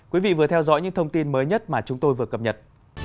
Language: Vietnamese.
quý vị vừa theo dõi những thông tin mới nhất mà chúng tôi vừa cập nhật